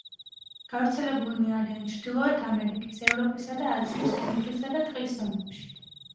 გავრცელებულნი არიან ჩრდილოეთ ამერიკის, ევროპისა და აზიის ტუნდრისა და ტყის ზონებში.